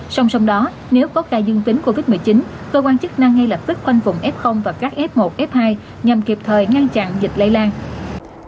song song đó nếu có ca dương tính covid một mươi chín cơ quan chức năng ngay lập tức khoanh vùng f và các f một f hai nhằm kịp thời ngăn chặn dịch lây lan